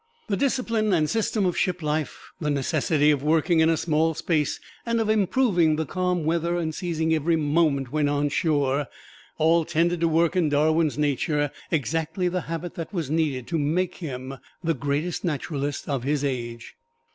The discipline and system of ship life, the necessity of working in a small space, and of improving the calm weather, and seizing every moment when on shore, all tended to work in Darwin's nature exactly the habit that was needed to make him the greatest naturalist of his age.